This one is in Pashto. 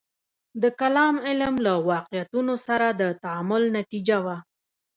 د کلام علم له واقعیتونو سره د تعامل نتیجه وه.